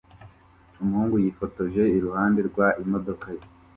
Umuhungu yifotoje iruhande rwa imodoka ye